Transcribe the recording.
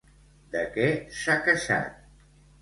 De què s'ha queixat?